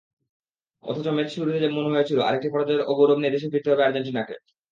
অথচ ম্যাচের শুরুতে মনে হয়েছিল, আরেকটি পরাজয়ের অগৌরব নিয়ে দেশে ফিরতে হবে আর্জেন্টিনাকে।